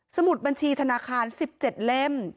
มุดบัญชีธนาคาร๑๗เล่ม